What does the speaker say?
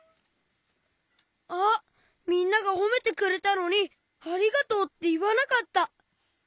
あっみんながほめてくれたのに「ありがとう」っていわなかった。